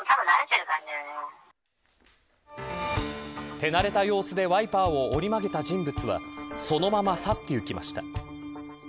手慣れた様子でワイパーを折り曲げた人物はそのまま去っていきました。